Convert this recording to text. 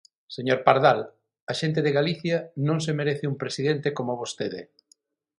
Señor Pardal, a xente de Galicia non se merece un presidente coma vostede.